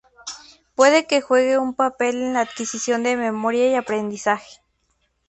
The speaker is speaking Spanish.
Puede que juegue un papel en la adquisición de memoria y aprendizaje.